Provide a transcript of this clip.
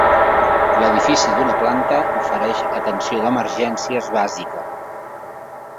L'edifici d'una planta ofereix atenció d'emergències bàsica.